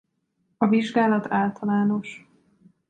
A vizsgálat általános.